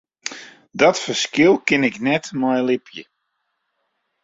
Dat ferskil kin ik net mei libje.